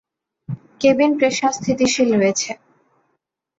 Cabin pressure স্থিতিশীল রয়েছে।